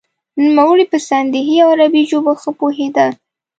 نوموړی په سندهي او عربي ژبو ښه پوهیده.